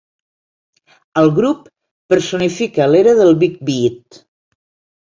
El grup personifica l'era del big beat.